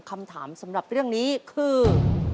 คำถามสำหรับเรื่องนี้คือ